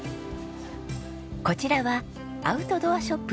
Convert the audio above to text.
こちらはアウトドアショップ